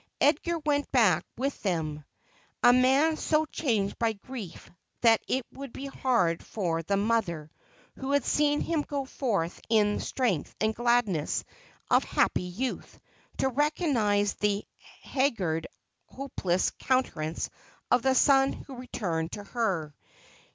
Edgar went back with them, a man so changed by grief that it would be hard for the mother, who had seen him go forth in the strength and gladness of happy youth, to recognise the hag gard hopeless countenance of the son who returned to her.